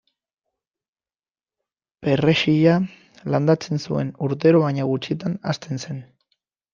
Perrexila landatzen zuen urtero baina gutxitan hazten zen.